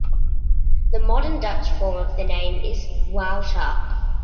The modern Dutch form of the name is "Wouter".